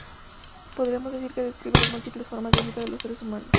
Podríamos decir que describe las múltiples formas de vida de los seres humanos.